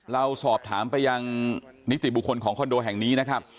เราสอบถามไปยังนิติบุคคลของคอนโดแห่งนี้นะครับ